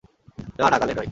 না, না, গালে নয়।